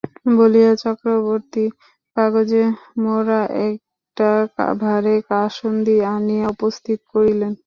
বলিয়া চক্রবর্তী কাগজে-মোড়া একটা ভাঁড়ে কাসুন্দি আনিয়া উপস্থিত করিলেন।